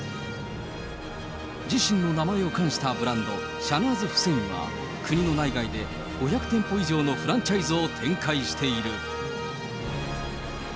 自身の名前を冠したブランド、シャナーズ・フセインは国の内外で５００店舗以上のフランチャイズを展開している。